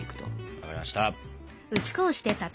分かりました。